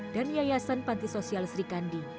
dan yayasan panti sosial srikandi